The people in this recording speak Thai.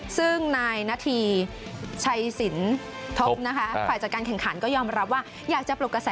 ซึ่งนายณฐีชัยสินทบหฝัยจากการแข่งขันก็ยอมรับว่าอยากจะปรบกระแส